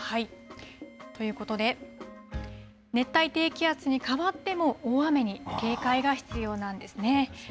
ということで、熱帯低気圧に変わっても大雨に警戒が必要なんですね。